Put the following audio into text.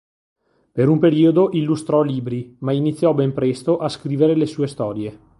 Per un periodo illustrò libri, ma iniziò ben presto a scrivere le sue storie.